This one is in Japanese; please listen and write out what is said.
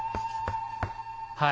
はい。